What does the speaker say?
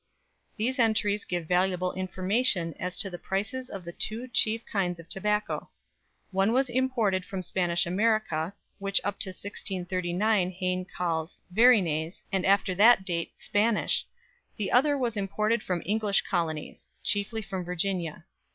These entries give valuable information as to the prices of the two chief kinds of tobacco. One was imported from Spanish America, which up to 1639 Hayne calls "Varinaes," and after that date "Spanish"; the other was imported from English colonies chiefly from Virginia.